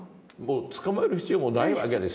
つかまえる必要もないわけですわな。